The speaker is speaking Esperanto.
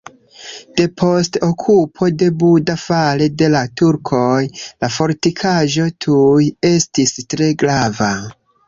Depost okupo de Buda fare de la turkoj la fortikaĵo tuj estis tre grava.